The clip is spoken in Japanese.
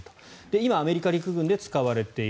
今、アメリカ陸軍で使われている。